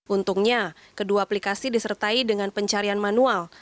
untungnya kedua aplikasi disertai dengan pencarian manual